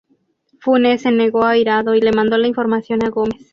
Funes se negó airado y le mandó la información a Gómez.